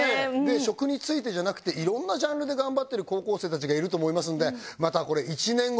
食についてじゃなくていろんなジャンルで頑張ってる高校生たちがいると思いますんでまたこれ１年後。